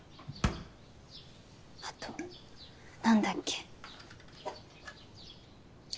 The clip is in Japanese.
あと何だっけ？